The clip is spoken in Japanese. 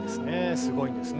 すごいんですね。